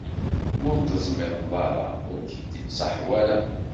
Ma ur teẓdimeḍ ara, ur k-id-ittṣaḥ wara.